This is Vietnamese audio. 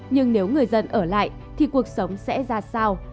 nhưng nếu người dân ở lại thì cuộc sống sẽ ra sao